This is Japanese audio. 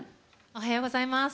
おはようございます。